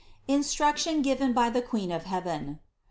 INSTRUCTION GIVEN BY THE QUEEN OF HEAVEN.